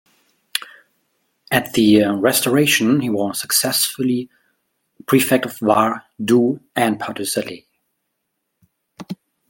At the Restoration he was successively prefect of Var, Doubs and Pas-de-Calais.